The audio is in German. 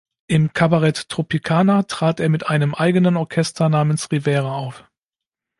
Im Cabaret "Tropicana" trat er mit einem eigenen Orchester namens "Rivera" auf.